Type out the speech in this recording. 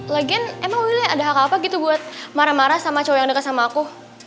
lagian emang milih ada hak apa gitu buat marah marah sama cowok yang dekat sama aku